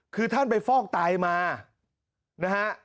คือท่านไปฟอกไตมานะฮะ